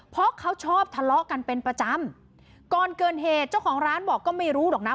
เพราะเขาชอบทะเลาะกันเป็นประจำก่อนเกิดเหตุเจ้าของร้านบอกก็ไม่รู้หรอกนะ